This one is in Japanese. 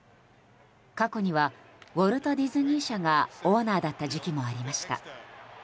過去にはウォルト・ディズニー社がオーナーだった時期もありました。